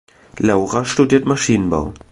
Laura studiert Maschinenbau.